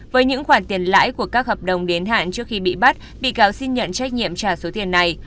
với những khoản tiền lãi của các hợp đồng đến hạn trước khi bị bắt bị cáo xin nhận trách nhiệm trả số tiền này